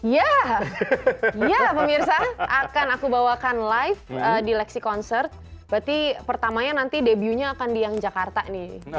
ya ya pemirsa akan aku bawakan live di lexi concert berarti pertamanya nanti debunya akan di yang jakarta nih